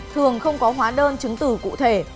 thường không có hóa đơn chứng từ cụ thể